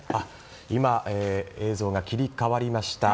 今、映像が切り替わりました。